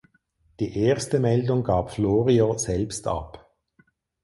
Die erste Meldung gab Florio selbst ab.